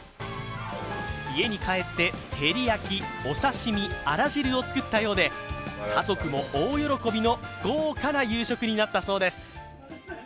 家に帰って照り焼き、お刺身、あら汁を作ったようで家族も大喜びの豪華な夕食になったそうです。